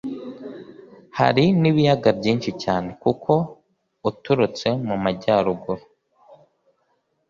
hari n'ibiyaga byinshi cyane, kuko uturutse mu majyaruguru